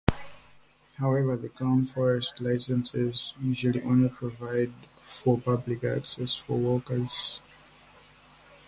However, the Crown Forest Licences usually only provide for public access for walkers.